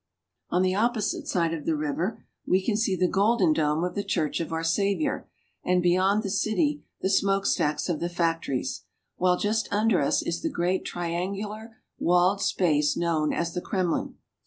On the opposite side of the river we can see the The Kremlin. golden dome of the Church of our Savior, and beyond the city the smokestacks of the factories ; while just under us is the great triangular walled space known as the Kremlin.